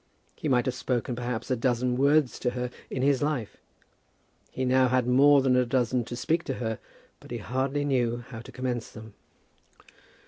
He might have spoken, perhaps, a dozen words to her in his life. He had now more than a dozen to speak to her, but he hardly knew how to commence them.